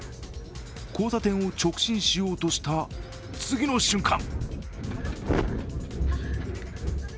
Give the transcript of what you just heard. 交差点を直進しようとした次の瞬間